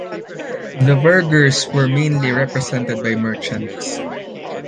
The burghers were mainly represented by merchants.